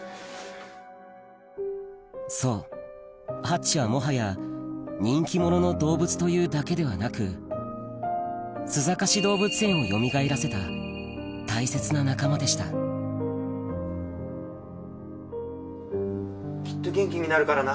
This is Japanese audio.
そうハッチはもはや人気者の動物というだけではなく須坂市動物園をよみがえらせたきっと元気になるからな。